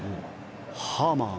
ハーマン。